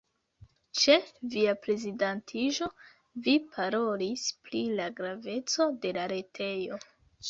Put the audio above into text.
Ĉe via prezidantiĝo, vi parolis pri la graveco de la retejo.